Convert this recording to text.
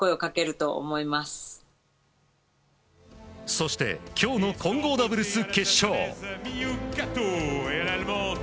そして今日の混合ダブルス決勝。